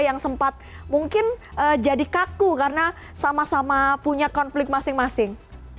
yang sempat mungkin jadi kaku karena sama sama punya konflik masing masing